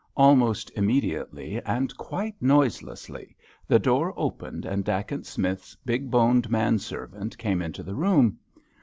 Almost immediately, and quite noiselessly, the door opened and Dacent Smith's big boned manservant came into the room.